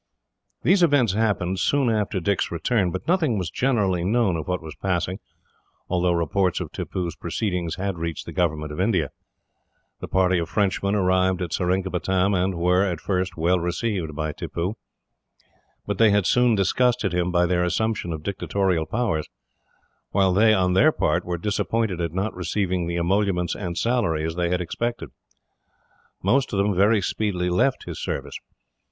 These events happened soon after Dick's return, but nothing was generally known of what was passing, although reports of Tippoo's proceedings had reached the government of India. The party of Frenchmen arrived at Seringapatam and were, at first, well received by Tippoo. But they had soon disgusted him by their assumption of dictatorial powers; while they, on their part, were disappointed at not receiving the emoluments and salaries they had expected. Most of them very speedily left his service.